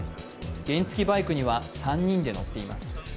原付バイクには３人で乗っています。